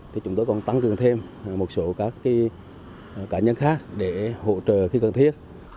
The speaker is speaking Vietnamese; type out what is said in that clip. thì chúng tôi còn tăng cường thêm một số các cá nhân khác để hỗ trợ khi cần thiết